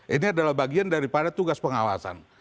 ini adalah bagian daripada tugas pengawasan